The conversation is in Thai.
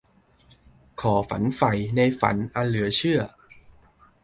ขอฝันใฝ่ในฝันอันเหลือเชื่อ